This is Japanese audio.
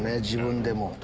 自分でも。